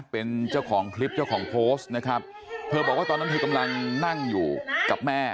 เป็นเจ้าของคลิปเจ้าของโพสต์นะครับเธอบอกว่าตอนนั้นเธอกำลังนั่งอยู่กับแม่